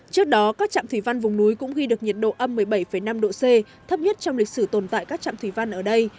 trước đó các trạm thủy văn vùng núi cũng ghi được nhiệt độ âm một mươi bảy năm độ c thấp nhất trong lịch sử tồn tại các trạm thủy văn ở đây